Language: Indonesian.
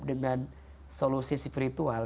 dengan solusi spiritual